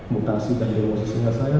mutasi dan demosisinya saya